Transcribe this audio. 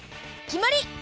きまり！